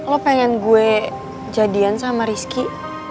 lo pengen gue jadian sama rizky